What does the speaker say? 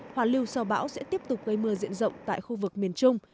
hoàn lưu sau bão sẽ tiếp tục gây mưa diện rộng tại khu vực miền trung